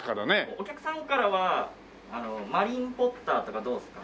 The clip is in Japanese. お客さんからは「マリン・ポッター」とかどうですか？